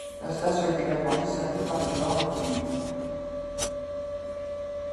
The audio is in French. La station est également desservie par une borne V'Lille.